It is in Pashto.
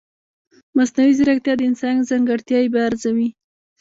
مصنوعي ځیرکتیا د انسان ځانګړتیاوې بیا ارزوي.